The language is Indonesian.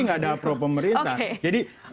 nggak ada pro pemerintah jadi